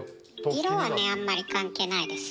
色はあんまり関係ないですよ。